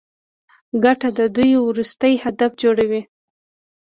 ګټه د دوی وروستی هدف جوړوي